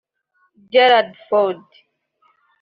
Gerald Ford